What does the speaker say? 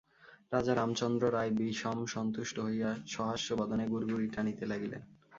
রাজা রামচন্দ্র রায় বিষম সন্তুষ্ট হইয়া সহাস্যবদনে গুড়গুড়ি টানিতে লাগিলেন।